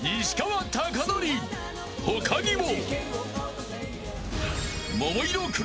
［他にも］